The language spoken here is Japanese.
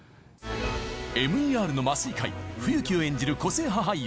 ＭＥＲの麻酔科医冬木を演じる個性派俳優